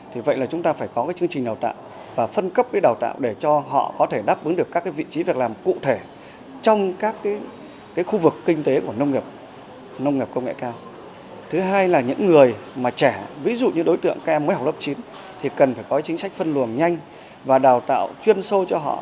thì cần phải có chính sách phân luồng nhanh và đào tạo chuyên sâu cho họ